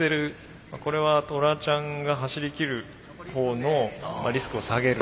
これはトラちゃんが走りきるほうのリスクを下げる。